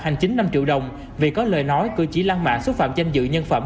hành chính năm triệu đồng vì có lời nói cử chỉ lan mạ xúc phạm danh dự nhân phẩm